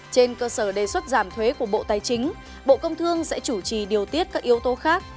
trên cơ sở đề xuất giảm thuế của bộ tài chính bộ công thương sẽ chủ trì điều tiết các yếu tố khác